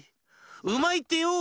うまいってよ。